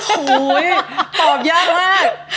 โหยตอบยากมาก